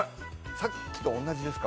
さっきと同じですか？